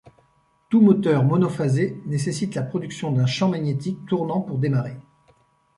Tout moteur monophasé nécessite la production d'un champ magnétique tournant pour démarrer.